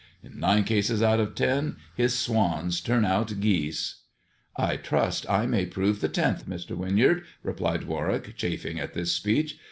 In nine cases out of ten his swans turn out geese." " I trust I may prove the tenth, Mr. Winyard," replied Warwick, chafing at this speech.